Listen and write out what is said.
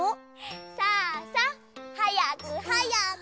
さあさあはやくはやく。